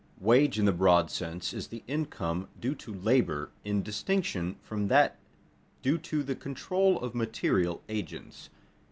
_Wage in the broad sense is the income due to labor, in distinction from that due to the control of material agents.